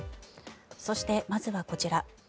そして、まずはこちら。